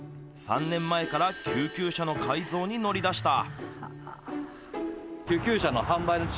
３年前から救急車の改造に乗り出した。